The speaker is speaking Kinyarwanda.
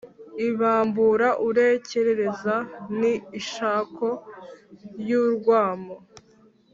ibambura urukerereza. ni ishako y’urwamo